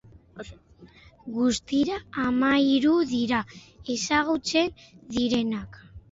Guztira hamahiru dira ezagutzen direnak.